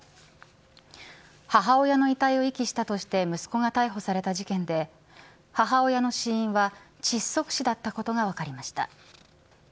母親の遺体を遺棄したとして息子が逮捕された事件で母親の死因は窒息死だったことが分かりました。